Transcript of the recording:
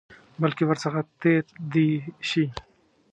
بلکې ورڅخه تېر دي شي.